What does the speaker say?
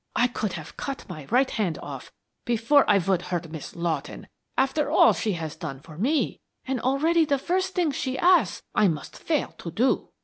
"I could have cut my right hand off before I would hurt Miss Lawton after all she has done for me, and already the first thing she asks, I must fail to do!"